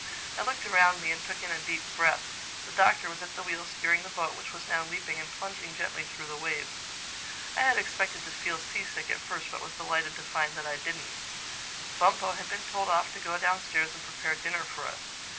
I looked around me and took in a deep breath. The Doctor was at the wheel steering the boat which was now leaping and plunging gently through the waves. (I had expected to feel seasick at first but was delighted to find that I didn't.) Bumpo had been told off to go downstairs and prepare dinner for us.